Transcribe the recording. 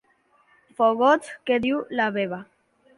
Fogots, que diu la Veva.